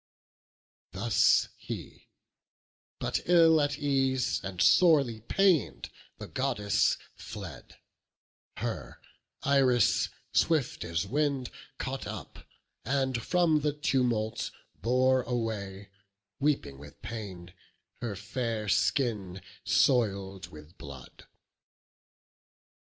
Thus he; but ill at ease, and sorely pain'd, The Goddess fled: her, Iris, swift as wind, Caught up, and from the tumult bore away, Weeping with pain, her fair skin soil'd with blood.